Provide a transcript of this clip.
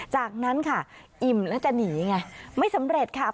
จากนั้นค่ะอิ่มแล้วจะหนีไงไม่สำเร็จค่ะ